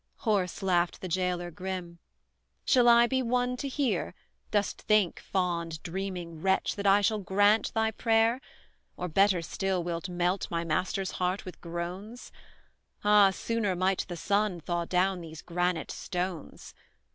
Hoarse laughed the jailor grim: "Shall I be won to hear; Dost think, fond, dreaming wretch, that I shall grant thy prayer? Or, better still, wilt melt my master's heart with groans? Ah! sooner might the sun thaw down these granite stones.